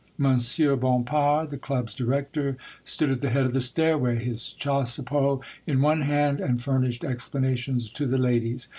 Monsieur Bompard, the Club's director, stood at the head of the stairway, his chassepot in one hand, and furnished explanations to the ladies.